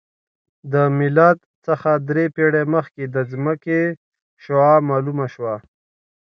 د میلاد څخه درې پېړۍ مخکې د ځمکې شعاع معلومه شوه